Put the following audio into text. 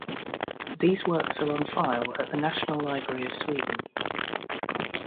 These works are on file at the National Library of Sweden.